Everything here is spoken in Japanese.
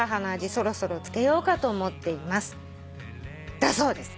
そろそろ漬けようかと思っています」だそうです。